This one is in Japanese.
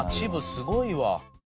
すごいわ。